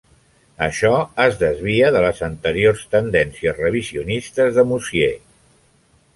Això es desvia de les anteriors tendències revisionistes de Mosier.